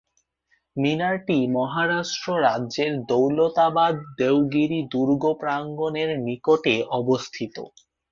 মিনারটি মহারাষ্ট্র রাজ্যের দৌলতাবাদ-দেওগিরি দুর্গ প্রাঙ্গণের নিকটে অবস্থিত।